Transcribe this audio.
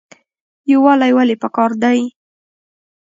یووالی ولې پکار دی؟